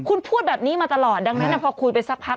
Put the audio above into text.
คุณพูดแบบนี้มาตลอดดังนั้นพอคุยไปสักพัก